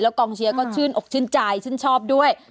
กองเชียร์ก็ชื่นอกชื่นใจชื่นชอบด้วย